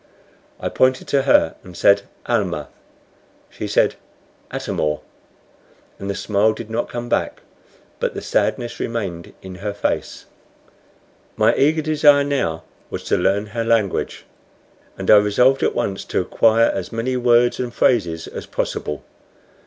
I pointed to her, and said, "Almah." She said, "Atam or." And the smile did not come back, but the sadness remained in her face. My eager desire now was to learn her language, and I resolved at once to acquire as many words and phrases as possible.